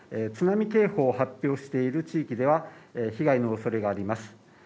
津波警報を発表している地域では被害の恐れがあります